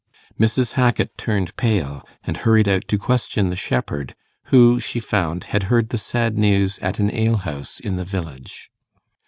Mrs. Hackit turned pale, and hurried out to question the shepherd, who, she found, had heard the sad news at an alehouse in the village.